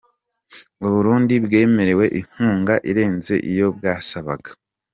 U Burundi bwemerewe inkunga irenze iyo bwasabaga